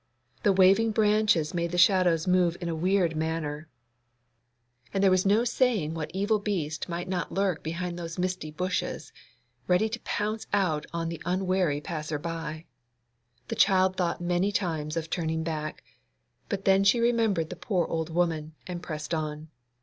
The waving branches made the shadows move in a weird manner, and there was no saying what evil beast might not lurk behind those misty bushes, ready to pounce out on the unwary passer by. [Illustration: 'SHE DREW HER CLOAK TIGHTLY ROUND HER.'] The child thought many times of turning back, but then she remembered the poor old woman, and pressed on.